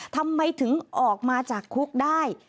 ทำไมถึงออกมาจากคุกได้